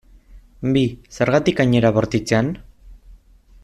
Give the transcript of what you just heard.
Bi, zergatik hain era bortitzean?